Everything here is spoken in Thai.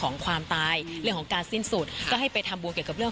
ตอนนี้ก็จะเริ่มประสบความสำเร็จได้เรื่อย